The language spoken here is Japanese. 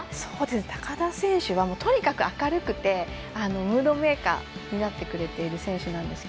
高田選手はとにかく明るくてムードメーカーになってくれている選手なんですが